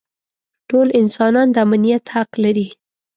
ټول انسانان د امنیت حق لري.